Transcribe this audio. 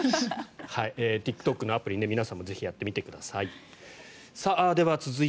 ＴｉｋＴｏｋのアプリ皆さんもぜひやってみてください。